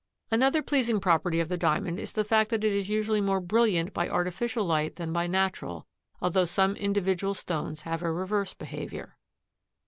Another pleasing property of the Diamond is the fact that it is usually more brilliant by artificial light than by natural, although some individual stones have a reverse behavior.